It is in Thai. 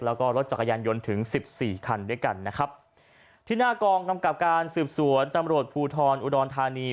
แล้วก็รถจักรยานยนต์ถึงสิบสี่คันด้วยกันนะครับที่หน้ากองกำกับการสืบสวนตำรวจภูทรอุดรธานี